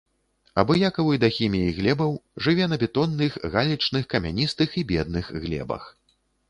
Абыякавы да хіміі глебаў, жыве на бетонных, галечных, камяністых і бедных глебах.